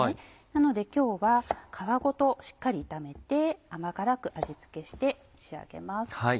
なので今日は皮ごとしっかり炒めて甘辛く味付けして仕上げます。